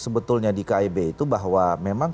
sebetulnya di kib itu bahwa memang